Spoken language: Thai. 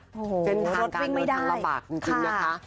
โอ้โหรถริงไม่ได้เป็นทางการเนิดทางระบากจริงนะคะ